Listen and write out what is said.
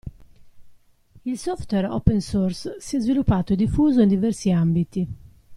Il software Open Source si è sviluppato e diffuso in diversi ambiti.